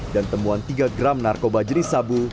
dan temuan tiga gram narkoba jenis sabu